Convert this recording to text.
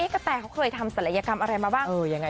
กระแตเขาเคยทำศัลยกรรมอะไรมาบ้าง